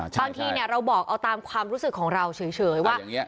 บางทีเราบอกเอาตามความรู้สึกของเราเฉยว่า